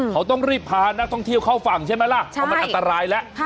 เขาต้องรีบพานักท่องเที่ยวเข้าฝั่งใช่ไหมล่ะเพราะมันอันตรายแล้ว